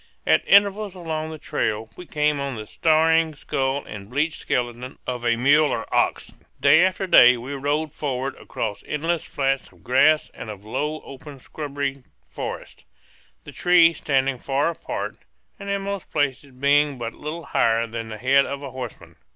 At intervals along the trail we came on the staring skull and bleached skeleton of a mule or ox. Day after day we rode forward across endless flats of grass and of low open scrubby forest, the trees standing far apart and in most places being but little higher than the head of a horseman.